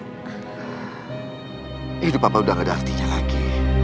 hidup apa udah gak ada artinya lagi